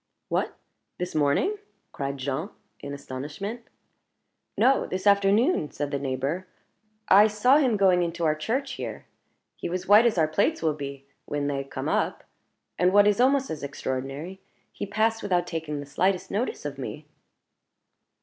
"What! this morning?" cried Jean, in astonishment. "No; this afternoon," said the neighbor "I saw him going into our church here. He was as white as our plates will be when they come up. And what is almost as extraordinary, he passed without taking the slightest notice of me."